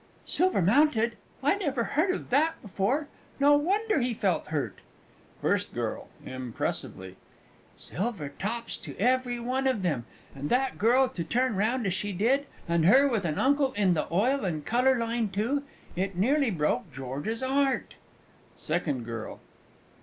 Silver mounted? I never heard of that before no wonder he felt hurt! FIRST GIRL (impressively). Silver tops to every one of them and that girl to turn round as she did, and her with an Uncle in the oil and colour line, too it nearly broke George's 'art! SECOND GIRL.